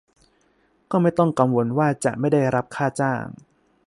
ก็ไม่ต้องกังวลว่าจะไม่ได้รับค่าจ้าง